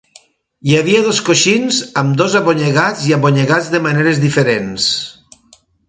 Hi havia dos coixins, ambdós abonyegats, i abonyegats de maneres diferents.